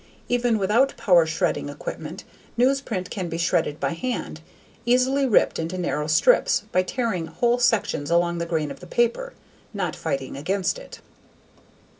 Even without power shredding equipment, newsprint can be shredded by hand, easily ripped into narrow strips by tearing whole sections along the grain of the paper, not fighting against it.